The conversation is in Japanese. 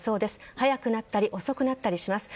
早くなったり遅くなったりします。